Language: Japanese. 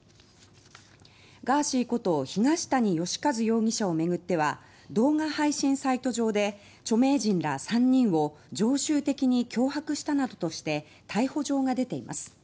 ガーシーこと東谷義和容疑者を巡っては動画配信サイト上で著名人ら３人を常習的に脅迫したなどとして逮捕状が出ています。